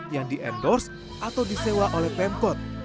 yang di endorse atau disewa oleh pemkot